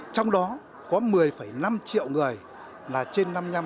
trong đó có một mươi năm triệu người là trên năm nhóm